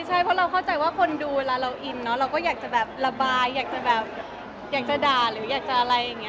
ใช่เพราะเราเข้าใจว่าคนดูเวลาเราอินเนอะเราก็อยากจะแบบระบายอยากจะแบบอยากจะด่าหรืออยากจะอะไรอย่างนี้